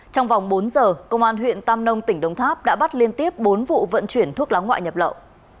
trong vòng bốn giờ công an huyện tam nông tỉnh đồng tháp đã bắt liên tiếp bốn vụ vận chuyển thuốc lá ngoại nhập lậu